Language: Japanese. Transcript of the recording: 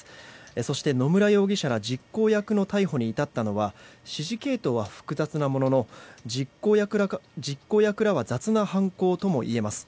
そして、野村容疑者ら実行役の逮捕に至ったのは指示系統は複雑なものの実行役らは雑な犯行ともいえます。